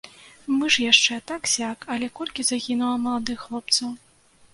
Мы ж яшчэ так-сяк, але колькі загінула маладых хлопцаў!